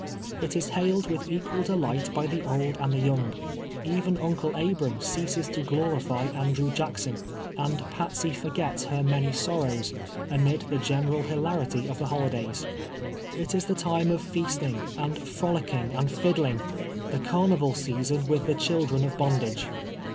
It is hailed with equal delight by the old and the young ; even Uncle Abram ceases to glorify Andrew Jackson, and Patsey forgets her many sorrows, amid the general hilarity of the holidays. It is the time of feasting, and frolicking, and fiddling —■ the carnival season with the children of bondage.